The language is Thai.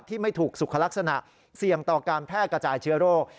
ไม่ถูกสุขลักษณะเสี่ยงต่อการแพร่กระจายเชื้อโรค